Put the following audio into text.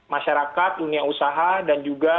masyarakat dunia usaha dan juga